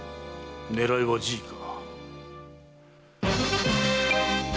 狙いはじいか。